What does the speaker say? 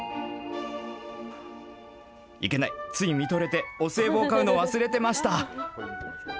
いけない、つい見とれて、お歳暮を買うの忘れてました。